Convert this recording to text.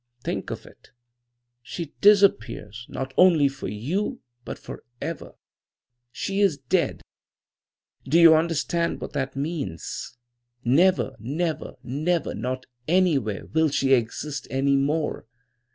Think of it! She disappears, not only for you, but forever. She is dead. Do you understand what that means? Never, never, never, not anywhere will she exist any more.